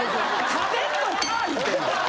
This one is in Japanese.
食べんのか言うてんねん！